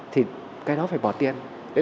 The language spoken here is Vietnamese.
thì cái đó phải bỏ tiền